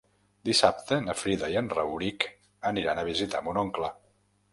Dissabte na Frida i en Rauric aniran a visitar mon oncle.